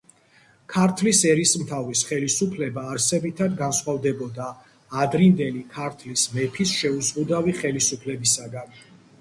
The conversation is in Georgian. ქართლის ერისმთავრის ხელისუფლება არსებითად განსხვავდებოდა ადრინდელი ქართლის მეფის შეუზღუდავი ხელისუფლებისაგან.